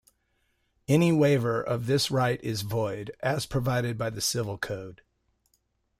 Any waiver of this right is void, as provided by the Civil Code.